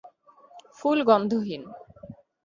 ফুল গন্ধ হীন।